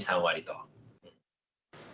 ２、３割と。